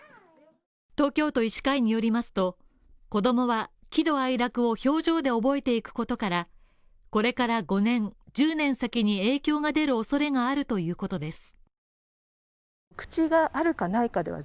東京都医師会によりますと、子供は喜怒哀楽を表情で覚えていくことから、これから５年、１０年先に影響が出る恐れがあるということです。